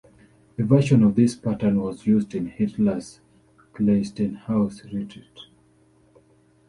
A version of this pattern was used in Hitler's "Kehlsteinhaus" retreat.